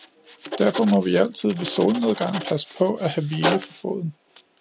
derfor må vi altid ved solnedgang passe på at have hvile for foden.